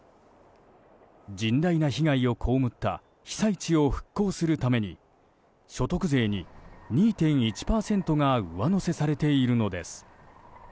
甚大な被害を被った被災地を復興するために所得税に２．１％が上乗せされているのです。